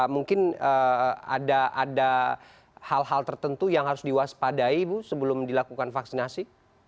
mungkin ada hal hal tertentu yang harus diwaspadai ibu sebelum dilakukan vaksinasi